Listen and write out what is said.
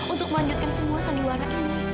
untuk melanjutkan semua saliwara